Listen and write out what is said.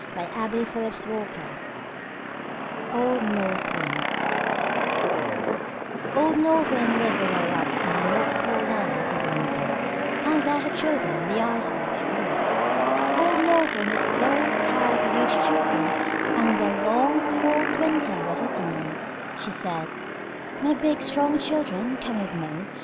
OLD NORTH WIND [Illustration: Old North Wind] Old North Wind lived away up in the North Pole Land in the winter, and there her children, the Icebergs, grew. Old North Wind was very proud of her huge children, and when the long, cold winter was at an end she said: "My big, strong children, come with me.